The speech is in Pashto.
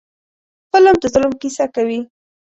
فلم د ظلم کیسه کوي